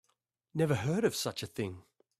Never heard of such a thing.